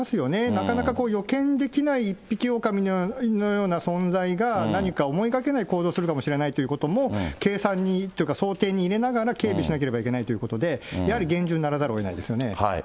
なかなか予見できない一匹狼のような存在が何か思いがけない行動をするかもしれないということも、計算にというか、想定に入れながら警備しなければいけないということで、やはり厳重にならざるをえないですよね。